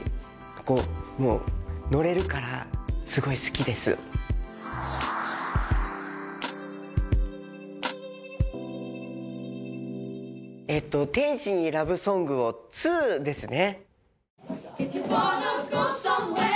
こうもうのれるからすごい好きですえーと「天使にラブ・ソングを２」ですね